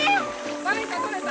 何かとれた？